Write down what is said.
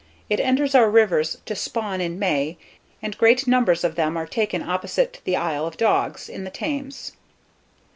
It enters our rivers to spawn in May, and great numbers of them are taken opposite the Isle of Dogs, in the Thames.